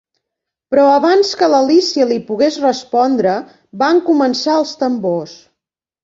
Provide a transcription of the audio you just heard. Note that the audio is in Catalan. Però abans que l'Alícia li pogués respondre, van començar els tambors.